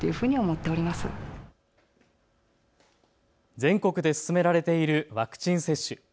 全国で進められているワクチン接種。